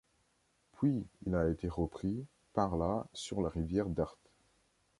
Puis il a été repris par la sur la rivière Dart.